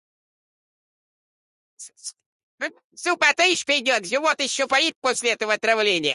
Звуки природы были голосом божества, наполняя мир гармонией.